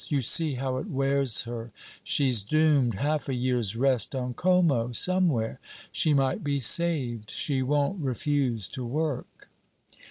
You see how it wears her. She's doomed. Half a year's rest on Como ... somewhere... she might be saved! She won't refuse to work.'